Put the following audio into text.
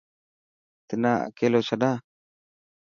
تنا اڪليو ڇڏان؟